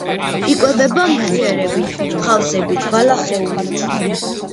იკვებება მღიერებით, ხავსებით, ბალახეულით.